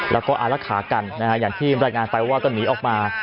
แล้วก็อารักษากันนะฮะอย่างที่รายงานไปว่าก็หนีออกมา